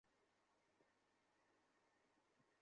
আমাদের নিজস্ব টেলিস্কোপ দিয়ে নিজের চোখে দেখেছি!